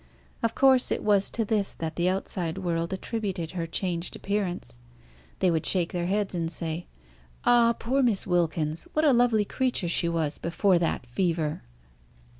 Of course it was to this that the outside world attributed her changed appearance. They would shake their heads and say, "Ah, poor Miss Wilkins! What a lovely creature she was before that fever!"